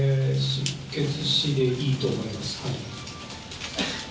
失血死でいいと思います。